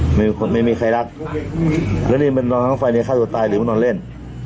ไม่มีใครรักแล้วนี่มันนอนน้องไฟเนี่ยฆ่าตัวตายหรือมันนอนเล่น